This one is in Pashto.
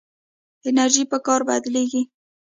انرژي په کار بدلېږي.